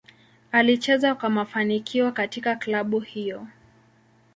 Alicheza kwa kwa mafanikio katika klabu hiyo.